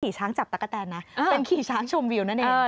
ช้างจับตะกะแตนนะเป็นขี่ช้างชมวิวนั่นเอง